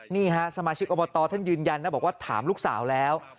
นี่ฮะสมาชิกอบตท่านยืนยันนะบอกว่าถามลูกสาวแล้ว